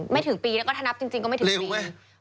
ถึงปีแล้วก็ถ้านับจริงก็ไม่ถึงปี